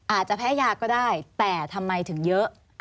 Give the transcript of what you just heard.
อาจจะแพ้ยาก็ได้แต่ทำไมถึงเยอะ